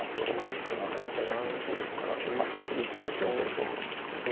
香などの手が厳しいですから８八銀と補強すると思うんですけれども。